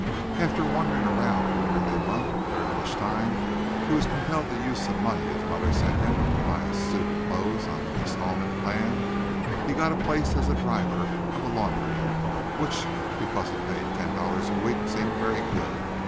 After wandering around for nearly a month, during which time he was compelled to use some money his mother sent him to buy a suit of clothes on an instalment plan, he got a place as driver of a laundry, which, because it paid ten dollars a week, seemed very good.